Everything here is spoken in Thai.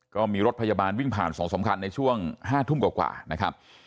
ก็มีรถพยาบาลวิ่งผ่าน๒๓คันในช่วง๕ทุ่มกว่านะครับ